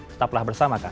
kita telah bersamakan